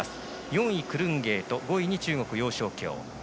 ４位にクルンゲート５位に中国、楊少橋。